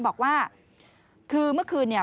บอกว่าคือเมื่อคืนเนี่ย